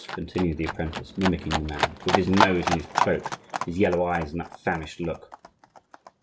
continued the apprentice, mimicking the man, "with his nose in his cloak, his yellow eyes, and that famished look!"